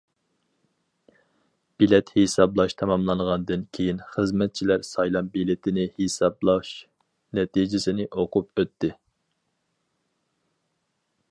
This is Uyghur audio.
بېلەت ھېسابلاش تاماملانغاندىن كېيىن، خىزمەتچىلەر سايلام بېلىتىنى ھېسابلاش نەتىجىسىنى ئوقۇپ ئۆتتى.